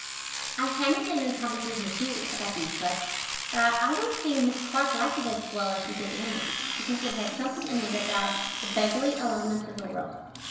I handed in a composition, too, about the eclipse, but I don't think Miss Clark liked it as well as she did Anna's, because it had something in it about "the beggarly elements of the world."